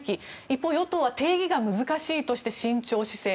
一方、与党は定義が難しいので慎重姿勢。